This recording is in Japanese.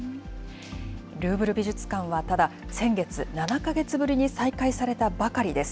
ルーブル美術館は、ただ、先月、７か月ぶりに再開されたばかりです。